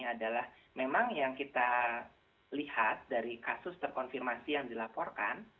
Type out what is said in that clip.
adalah memang yang kita lihat dari kasus terkonfirmasi yang dilaporkan